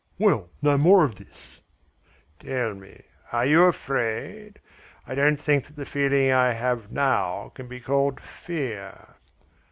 "Well, no more of this." "Tell me, are you afraid? I don't think that the feeling I now have can be called fear."